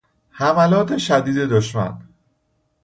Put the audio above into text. حملات شدید دشمن